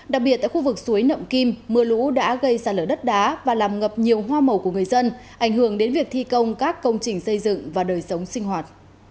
đặc biệt tại khu vực suối nậm kim mưa lũ đã gây ra lở đất đá và làm ngập nhiều hoa màu của người dân ảnh hưởng đến việc thi công các công trình xây dựng và đời sống sinh hoạt